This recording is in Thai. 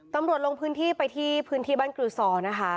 ลงพื้นที่ไปที่พื้นที่บ้านกรือซอนะคะ